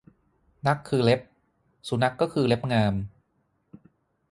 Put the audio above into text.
นัขคือเล็บ สุนัขก็คือเล็บงาม